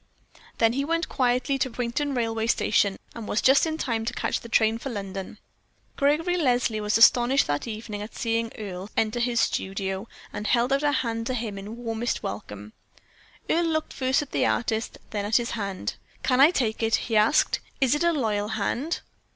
Then he went quietly to Quainton railway station, and was just in time to catch the train for London. Gregory Leslie was astonished that evening at seeing Earle suddenly enter his studio, and held out his hand to him in warmest welcome. Earle looked first at the artist, then at his hand. "Can I take it?" he asked. "Is it a loyal hand?"